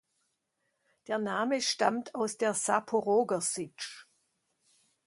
Der Name stammt aus der Saporoger Sitsch.